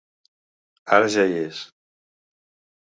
Ara ja hi és.